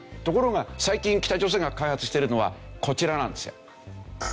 ところが最近北朝鮮が開発してるのはこちらなんですよ。